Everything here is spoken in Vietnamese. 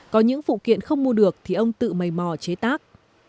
có những phụ kiện không mua được thì ông tự mây mò chế tác